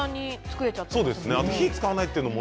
火を使わないというのも。